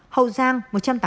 hậu giang một trăm tám mươi bảy